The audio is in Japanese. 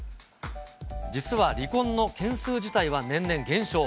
実は離婚の件数自体は年々減少。